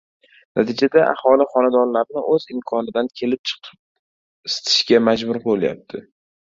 Natijada aholi xonadonlarni oʻz imkonidan kelib chiqib isitishga majbur boʻlyapti.